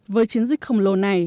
với chiến dịch khổng lồ này